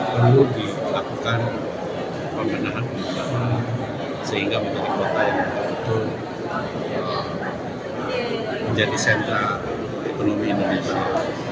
perlu dilakukan pemenahan sehingga menjadi kota yang menjadi sentra ekonomi indonesia